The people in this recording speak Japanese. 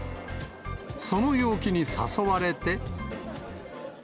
その陽気に誘われて。